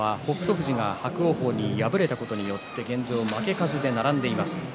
富士が伯桜鵬に敗れたことによって現状、負け数で並んでいます。